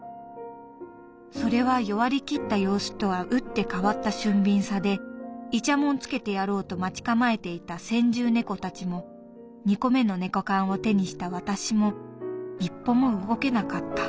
それは弱り切った様子とは打って変わった俊敏さでイチャモンつけてやろうと待ち構えていた先住猫たちも二個目の猫缶を手にした私も一歩も動けなかった。